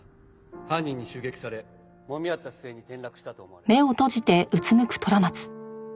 犯人に襲撃されもみ合った末に転落したと思われる。